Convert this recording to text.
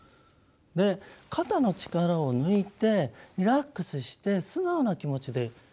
で肩の力を抜いてリラックスして素直な気持ちで生きる。